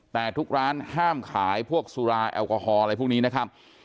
แต่ทุกร้านห้ามขายพวกสุราแอลกอฮอล์อะไรพวกนี้นะครับ